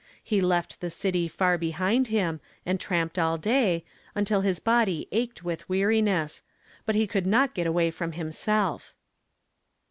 He left the city far behind him, and tramped all day, until his body ached with weariness ; but he could not get away from himself.